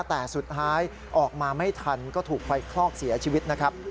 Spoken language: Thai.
แต่สุดท้ายออกมาไม่ทันก็ถูกไฟคลอกเสียชีวิตนะครับ